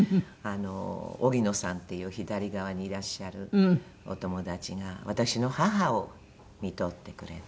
オギノさんっていう左側にいらっしゃるお友達が私の母をみとってくれた。